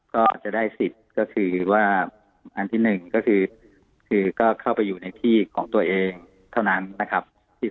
ก็อาจจะได้สิทธิ์ก็คือว่าอันที่หนึ่งก็คือก็เข้าไปอยู่ในที่ของตัวเองเท่านั้นนะครับ